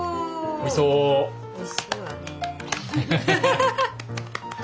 おいしそうだね。